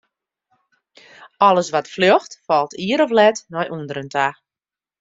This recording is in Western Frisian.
Alles wat fljocht, falt ier of let nei ûnderen ta.